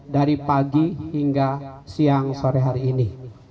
dari pagi hingga siang sore hari ini